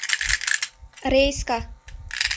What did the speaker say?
— Рейска.